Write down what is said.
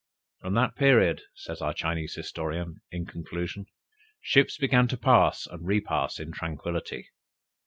"From that period," says our Chinese historian, in conclusion, "ships began to pass and repass in tranquillity.